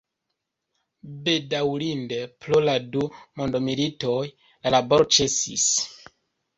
Bedaŭrinde, pro la du mondmilitoj la laboro ĉesis.